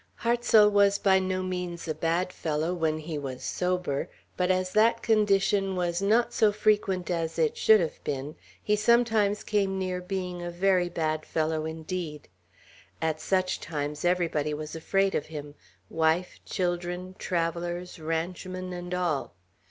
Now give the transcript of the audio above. Hartsel was by no means a bad fellow when he was sober; but as that condition was not so frequent as it should have been, he sometimes came near being a very bad fellow indeed. At such times everybody was afraid of him, wife, children, travellers, ranchmen, and all.